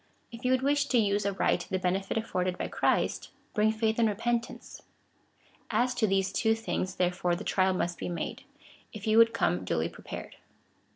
If you would wish to use aright the benefit afforded by Christ, bring faith and repentance. As to these two things, tlierefore, the trial must be made, if you would come duly prepared.